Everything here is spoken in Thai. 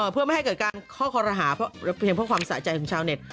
เพื่อไม่ให้เกิดการข้อคอรหาเพียงเพราะความสะใจของชาวเน็ต